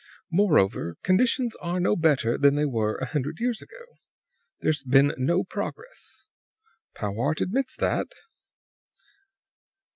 Moreover, conditions are no better than they were a hundred years ago. There's been no progress. Powart admits that.